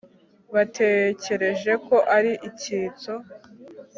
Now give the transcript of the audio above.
Batekereje ko ari icyitso